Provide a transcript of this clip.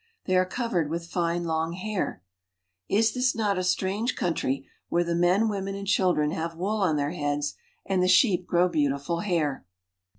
They are covered with fine long hair. Is this not a strange country where the men, women, and children have wool on their heads and the sheep grow beautiful hair